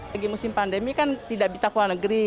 lagi musim pandemi kan tidak bisa keluar negeri